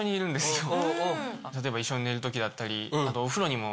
例えば一緒に寝る時だったりあと。